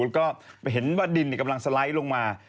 ก็เห็นว่าดินกำลังสไลด์ลงมา